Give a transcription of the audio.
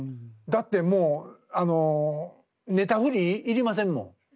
だってもうあのネタ振りいりませんもん。